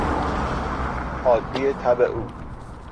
حادی تب او